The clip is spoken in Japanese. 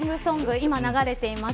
今、流れています。